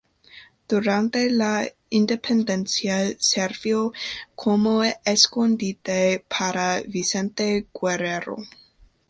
Durante la independencia sirvió como escondite para Vicente Guerrero.